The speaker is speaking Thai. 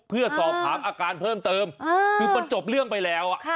เพื่อสอบถามอาการเพิ่มเติมคือมันจบเรื่องไปแล้ว